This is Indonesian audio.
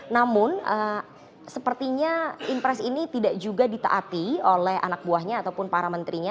namun sepertinya impres ini tidak juga ditaati oleh anak buahnya ataupun para menterinya